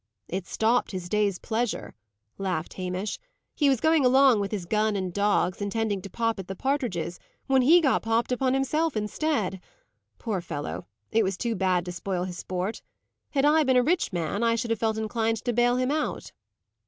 "It stopped his day's pleasure," laughed Hamish. "He was going along with his gun and dogs, intending to pop at the partridges, when he got popped upon himself, instead. Poor fellow! it was too bad to spoil his sport. Had I been a rich man, I should have felt inclined to bail him out."